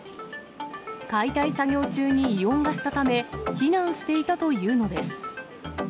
解体作業中に異音がしたため、避難していたというのです。